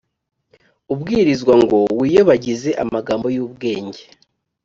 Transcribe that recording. ubwirizwa Ngo wiyobagize amagambo y ubwenge